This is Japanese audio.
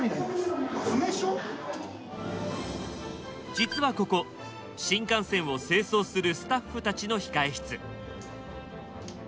実はここ新幹線を清掃するスタッフたちの控え室。